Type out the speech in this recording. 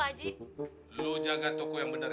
pak haji lo jaga toko yang benar